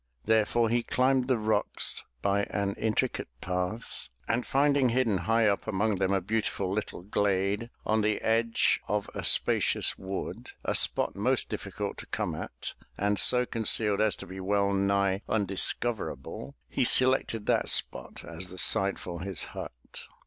Therefore he climbed the rocks by an intricate path, and finding hidden high up among them a beautiful little glade on the edge of 341 MY BOOK HOUSE a spacious wood, a spot most difficult to come at, and so concealed as to be well nigh undiscoverable, he selected that spot as the site for his hut.